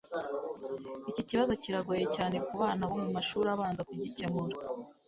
Iki kibazo kiragoye cyane kubana bo mumashuri abanza kugikemura.